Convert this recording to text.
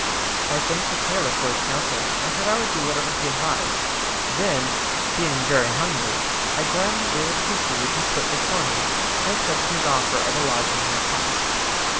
I thanked the tailor for his counsel, and said I would do whatever he advised; then, being very hungry, I gladly ate of the food he put before me, and accepted his offer of a lodging in his house.